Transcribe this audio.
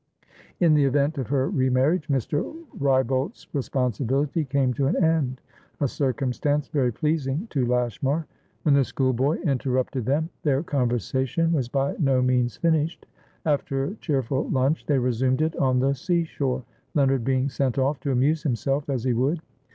In the event of her re marriage, Mr. Wrybolt's responsibility came to an end, a circumstance very pleasing to Lashmar. When the schoolboy interrupted them, their conversation was by no means finished. After a cheerful lunch, they resumed it on the sea shore, Leonard being sent off to amuse himself as he would.